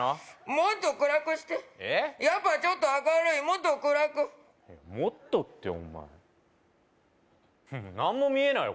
もっと暗くしてやっぱちょっと明るいもっと暗くもっとってお前何も見えないよ